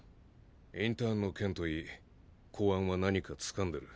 インターンの件といい公安は何か掴んでる。